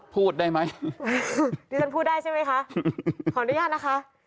พูดได้ไหมดิฉันพูดได้ใช่ไหมคะขออนุญาตนะคะ